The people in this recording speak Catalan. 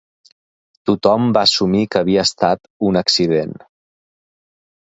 Tothom va assumir que havia estat un accident.